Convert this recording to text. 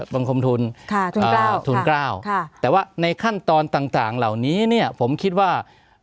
บังคมทุนกล้าวแต่ว่าในขั้นตอนต่างเหล่านี้ผมคิดว่า